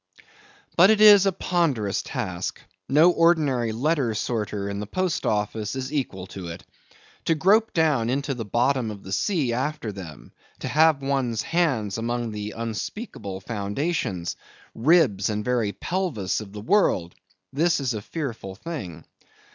But it is a ponderous task; no ordinary letter sorter in the Post Office is equal to it. To grope down into the bottom of the sea after them; to have one's hands among the unspeakable foundations, ribs, and very pelvis of the world; this is a fearful thing.